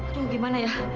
tunggu gimana ya